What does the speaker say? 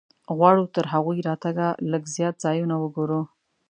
غواړو تر هغوی راتګه لږ زیات ځایونه وګورو.